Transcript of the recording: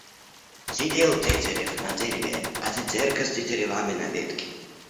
Сидел тетерев на дереве, а тетерка с тетеревами на ветке.